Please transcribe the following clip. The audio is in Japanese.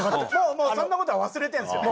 もうそんなことは忘れてんすよ